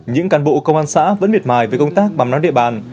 những cán bộ công an xã vẫn miệt mài về công tác bằm nắm địa bàn